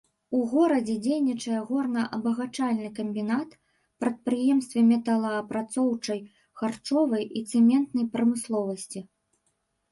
У горадзе дзейнічае горна-абагачальны камбінат, прадпрыемствы металаапрацоўчай, харчовай і цэментнай прамысловасці.